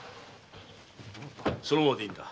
そのままでいいんだ。